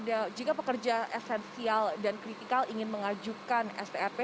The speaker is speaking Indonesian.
jadi jika ada jika pekerja esensial dan kritikal ingin mengajukan strp